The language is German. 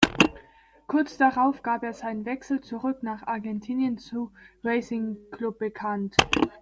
Kurz darauf gab er seinen Wechsel zurück nach Argentinien zu Racing Club bekannt.